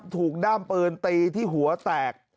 มันถูกด้ามปืนตีที่หัวแตก